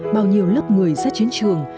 bao nhiêu lớp người ra chiến trường